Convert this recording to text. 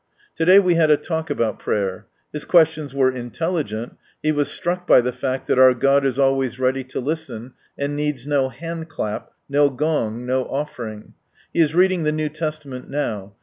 To day we had a talk about prayer. His questions were intelligent, he was struck by the fact that our God is always ready to listen, and needs no hand clap, no gong, no offering. He is reading the New Testament now.